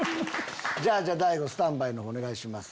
じゃあ大悟スタンバイのほうお願いします。